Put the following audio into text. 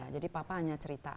jadi papanya hanya cerita